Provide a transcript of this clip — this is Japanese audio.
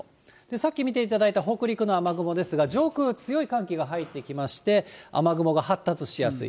さっき見ていただいた北陸の雨雲ですが、上空強い寒気が入ってきまして、雨雲が発達しやすい。